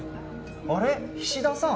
あれっ菱田さん。